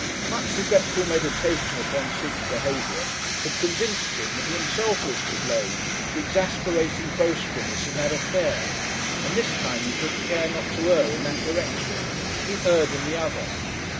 Much regretful meditation upon Sid's behaviour had convinced him that he himself was to blame for exasperating boastfulness in that affair, and this time he took care not to err in that direction. He erred in the other.